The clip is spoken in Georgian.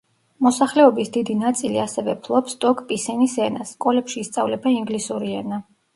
მოსახლეობის დიდი ნაწილი ასევე ფლობს ტოკ-პისინის ენას; სკოლებში ისწავლება ინგლისური ენა.